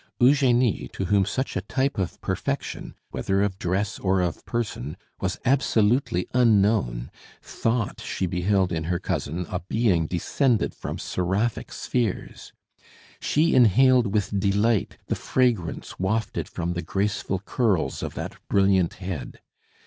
Eugenie, to whom such a type of perfection, whether of dress or of person, was absolutely unknown, thought she beheld in her cousin a being descended from seraphic spheres. She inhaled with delight the fragrance wafted from the graceful curls of that brilliant head.